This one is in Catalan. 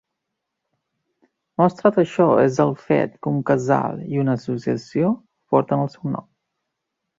Mostra d'això és el fet que un casal i una associació porten el seu nom.